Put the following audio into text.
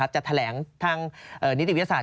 จะแถลงทางนิติวิทยาศาส